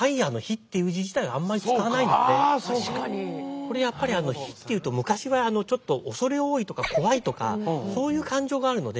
これやっぱり火っていうと昔はちょっと恐れ多いとか怖いとかそういう感情があるので。